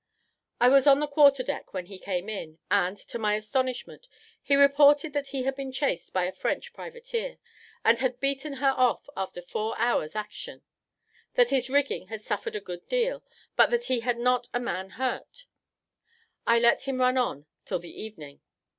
I was on the quarter deck when he came in; and, to my astonishment, he reported that he had been chased by a French privateer, and had beat her off after a four hours' action that his rigging had suffered a good deal, but that he had not a man hurt. I let him run on till the evening.